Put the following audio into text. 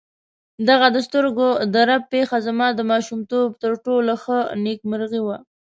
دغه د سترګو د رپ پېښه زما د ماشومتوب تر ټولو ښه نېکمرغي وه.